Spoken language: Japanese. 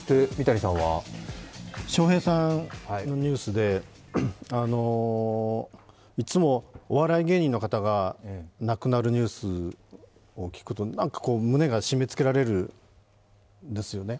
笑瓶さんのニュースで、いつもお笑い芸人の方が亡くなるニュースを聞くとなんかこう胸が締め付けられるんですよね。